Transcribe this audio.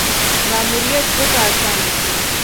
ماموریت ځکه اسانه شو.